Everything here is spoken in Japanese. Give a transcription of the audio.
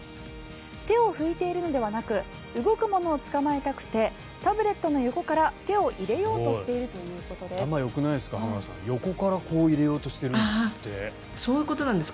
手を拭いているのではなく動くものを捕まえたくてタブレットの横から手を入れようとしているということです。